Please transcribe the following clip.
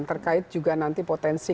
terkait juga nanti potensi